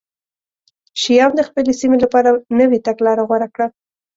شیام د خپلې سیمې لپاره نوې تګلاره غوره کړه